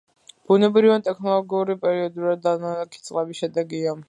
ბუნებრივი ან ტექნოგენური პერიოდულად დანალექი წყლების შედეგია.